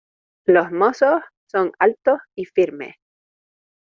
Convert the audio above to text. Los mozos son altos y firmes.